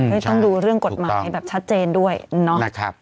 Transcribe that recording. ต้องดูเรื่องกฎหมายแบบชัดเจนด้วยเนาะนะครับ